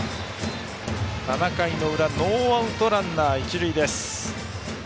７回の裏ノーアウトランナー、一塁です。